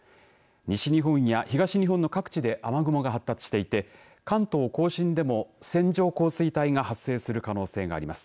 西日本や東日本の各地で雨雲が発達していて関東甲信でも線状降水帯が発生する可能性があります。